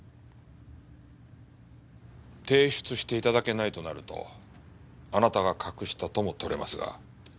提出していただけないとなるとあなたが隠したとも取れますが。